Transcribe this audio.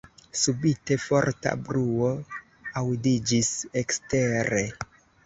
Subite forta bruo aŭdiĝis ekstere.